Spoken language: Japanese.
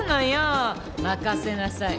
任せなさい。